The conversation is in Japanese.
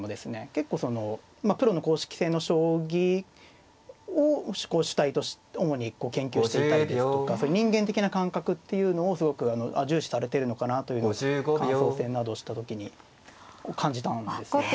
結構そのプロの公式戦の将棋を主に研究していたりですとか人間的な感覚っていうのをすごく重視されてるのかなというのを感想戦などをした時に感じたんですよね。